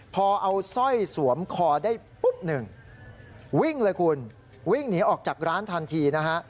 พอเอาสร้อยสวมคอได้ปุ๊บหนึ่งวิ่งเลยคุณวิ่งหนีออกจากร้านทันทีนะฮะ